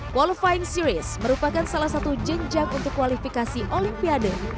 qualifying series merupakan salah satu jenjang untuk kualifikasi olimpiade